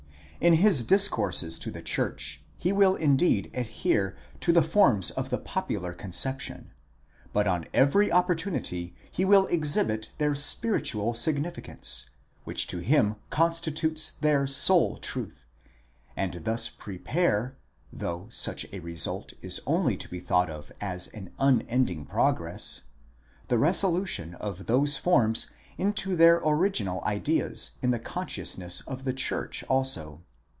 In his dis courses to the church, he will indeed adhere to the forms of the popular conception, but on every opportunity he will exhibit their spiritual significance, which to him constitutes their sole truth, and thus prepare—though such a result is only to be thought of as an unending progress—the resolution of those forms into their original ideas in the consciousness of the church also.